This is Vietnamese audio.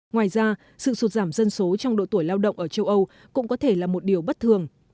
ngoài ra sự sụt giảm dân số trong độ tuổi lao động ở châu âu cũng có thể là một điều bất thường